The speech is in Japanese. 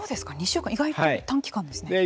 ２週間意外と短期間ですね。